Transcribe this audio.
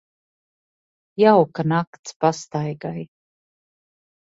Jauka nakts pastaigai.